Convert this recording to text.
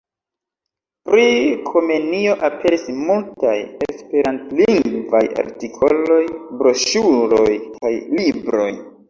Pri Komenio aperis multaj esperantlingvaj artikoloj, broŝuroj kaj libroj.